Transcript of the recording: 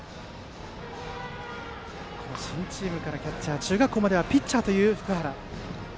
新チームからキャッチャー中学校まではピッチャーという福原。